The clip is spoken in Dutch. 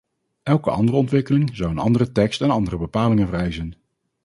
Elke andere ontwikkeling zou een andere tekst en andere bepalingen vereisen.